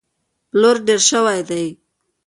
پلور ډېر شوی دی.